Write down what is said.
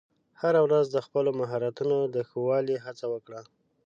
هره ورځ د خپلو مهارتونو د ښه والي هڅه وکړه.